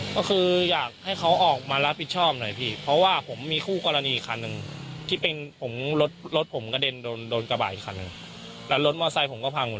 ก็คืออยากให้เขาออกมารับผิดชอบหน่อยพี่เพราะว่าผมมีคู่กรณีอีกคันหนึ่งที่เป็นผมรถรถผมกระเด็นโดนโดนกระบาดอีกคันหนึ่งแล้วรถมอไซค์ผมก็พังหมด